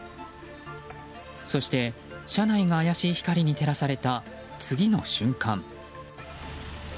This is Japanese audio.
そして車内が怪しい光に照らされた次の瞬間。